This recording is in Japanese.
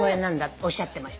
おっしゃってました。